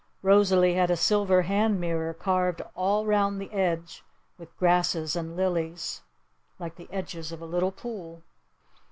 Rosalee had a silver hand mirror carved all round the edge with grasses and lilies like the edges of a little pool.